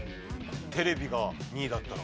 テレビが２位だったら。